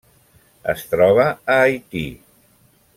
Es troba a Haití.